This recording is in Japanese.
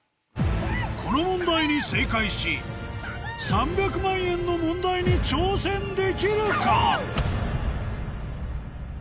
この問題に正解し３００万円の問題に挑戦できるか？